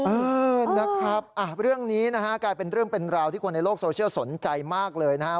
เออนะครับเรื่องนี้นะฮะกลายเป็นเรื่องเป็นราวที่คนในโลกโซเชียลสนใจมากเลยนะครับ